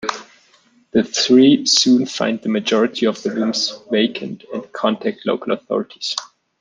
The three soon find the majority of the rooms vacant and contact local authorities.